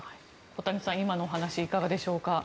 小谷さん、今の話はいかがでしょうか？